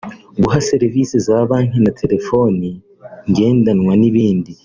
guhuza serivisi za banki na telefoni ngendanwa n’ibindi